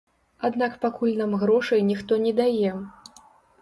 Аднак пакуль нам грошай ніхто не дае.